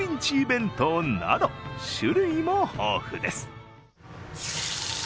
弁当など種類も豊富です。